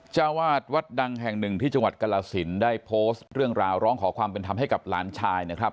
เจ้าวาดวัดดังแห่งหนึ่งที่จังหวัดกรสินได้โพสต์เรื่องราวร้องขอความเป็นธรรมให้กับหลานชายนะครับ